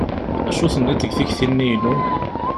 Acu tenniḍ deg tikti-nni-inu?